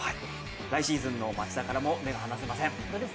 来シーズンの町田からも目が離せません。